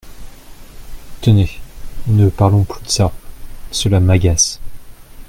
Tenez, ne parlons plus de ça, cela m’agace !…